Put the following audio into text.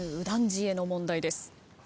次への問題です。